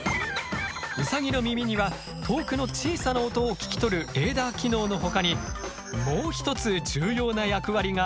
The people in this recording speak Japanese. ウサギの耳には遠くの小さな音を聞き取るレーダー機能のほかにもう一つ重要な役割がある。